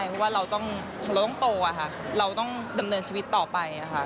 เพราะว่าเราต้องโตค่ะเราต้องดำเนินชีวิตต่อไปค่ะ